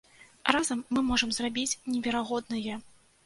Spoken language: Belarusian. Разам мы можам зрабіць неверагоднае!